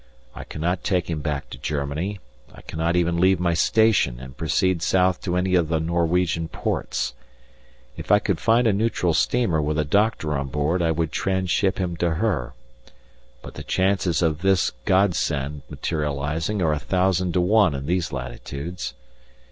I cannot take him back to Germany; I cannot even leave my station and proceed south to any of the Norwegian ports. If I could find a neutral steamer with a doctor on board, I would tranship him to her; but the chances of this God send materializing are a thousand to one in these latitudes.